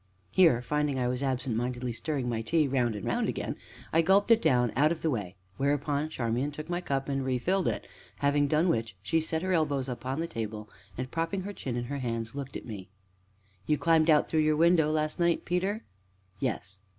Here, finding I was absent mindedly stirring my tea round and round again, I gulped it down out of the way, whereupon Charmian took my cup and refilled it; having done which, she set her elbows upon the table, and, propping her chin in her hands, looked at me. "You climbed out through your window last night, Peter?" "Yes."